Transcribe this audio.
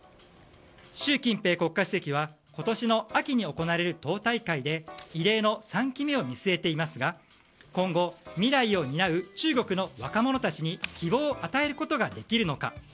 習近平国家主席は今年の秋に行われる党大会で異例の３期目を見据えていますが今後、未来を担う中国の若者たちに希望を与えることができるのか。